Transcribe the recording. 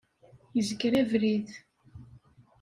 Izger abrid.